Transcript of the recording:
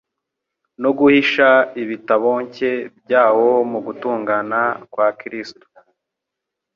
no guhisha ibitaboncye byawo mu gutungana kwa Kristo.